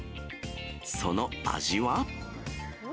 その味は。